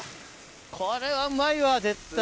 これはうまいわ絶対。